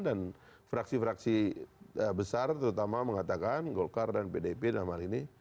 dan fraksi fraksi besar terutama mengatakan golkar dan pdip dan hal ini